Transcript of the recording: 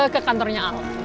ke kantornya al